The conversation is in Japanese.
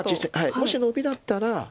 もしノビだったら。